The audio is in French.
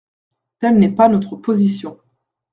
Telle n’est pas notre position.